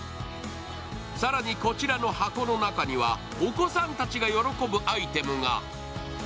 更に、こちらの箱の中にはお子さんたちが喜ぶアイテムが。